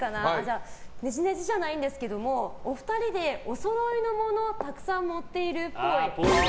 ねじねじじゃないんですけどもお二人でおそろいのものをたくさん持っているっぽい。